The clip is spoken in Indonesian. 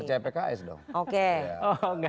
percaya pks dong